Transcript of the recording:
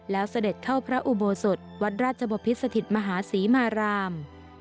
แล้วเสด็จเข้าพระอุโบสถวัดราชบพิษสถิตมหาศรีมาราม